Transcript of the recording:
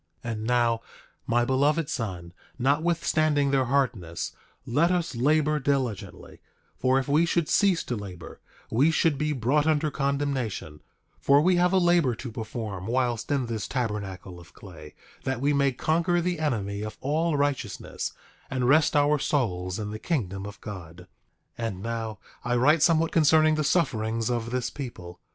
9:6 And now, my beloved son, notwithstanding their hardness, let us labor diligently; for if we should cease to labor, we should be brought under condemnation; for we have a labor to perform whilst in this tabernacle of clay, that we may conquer the enemy of all righteousness, and rest our souls in the kingdom of God. 9:7 And now I write somewhat concerning the sufferings of this people.